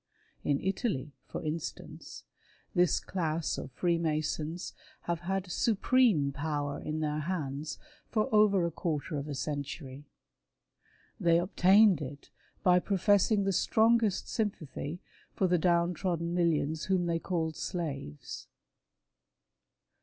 In Italy, for instance, this class of Freemasons have had supreme power in their hands for over a quarter of a century. Thay obtained it by professing the strongest sympathy for the down trodden millions whom they called slaves.